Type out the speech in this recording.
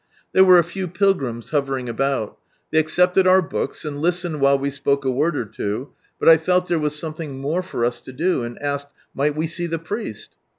There were a few pilgrims hovering about. They accepted otir books, and listened while we spoke a word or two, but 1 felt there was something more for us to do, and asked might we see the Priest?